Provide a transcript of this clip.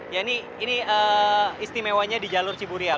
ya ini istimewanya di jalur ciburial